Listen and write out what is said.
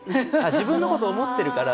自分のことを思ってるから、